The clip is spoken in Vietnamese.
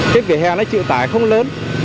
cái vỉa hè nó chịu tải không lớn